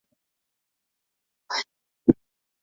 其后转往日本发展。